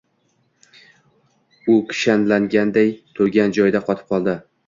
U kishanlanganday turgan joyida qotib qoldi